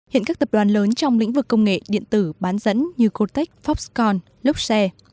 hiện các tập đoàn lớn trong lĩnh vực công nghệ điện tử bán dẫn như cortex foxconn luxe